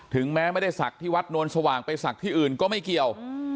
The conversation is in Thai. แม้ไม่ได้ศักดิ์ที่วัดนวลสว่างไปศักดิ์ที่อื่นก็ไม่เกี่ยว